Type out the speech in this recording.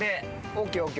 ＯＫＯＫ。